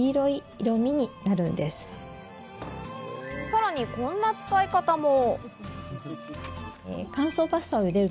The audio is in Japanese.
さらに、こんな使い方も。